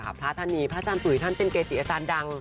พระท่านนี้พระอาจารย์ตุ๋ยท่านเป็นเกจิอาจารย์ดัง